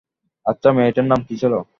আচ্ছা, মেয়েটার নাম কি ছিল?